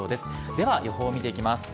では予報見ていきます。